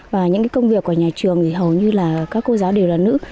và những công việc của nhà trường thì hầu như là các cô giáo đều là nữ